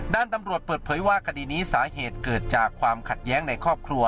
ด้านตำรวจเปิดเผยว่าคดีนี้สาเหตุเกิดจากความขัดแย้งในครอบครัว